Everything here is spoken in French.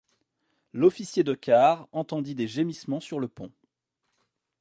L'officier de quart entendit des gémissements sur le pont.